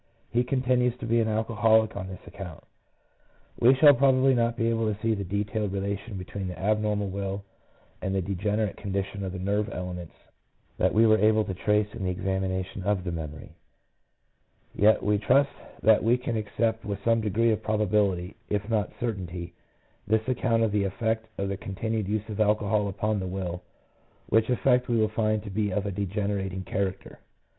He continues to be an alcoholic on this account. We shall probably not be able to see the detailed relation between the abnormal will and the degenerate condition of the nerve elements that we were able to trace in the examination of the memory; yet we trust that we can accept with some degree of probability, if not certainty, this account of the effect of the continued use of alcohol upon the will, which effect we will find to be of a degenerating character.